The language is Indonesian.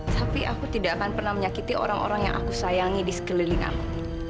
tapi aku tidak akan pernah menyakiti orang orang yang aku sayangi di sekeliling aku